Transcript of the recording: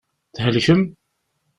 Thelkem?